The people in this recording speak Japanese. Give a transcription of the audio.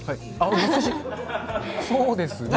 そうですね？